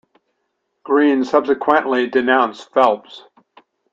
Green subsequently denounced Phelps.